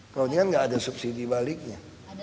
kalau tidak tidak ada subsidi baliknya